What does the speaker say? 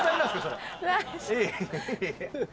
それ。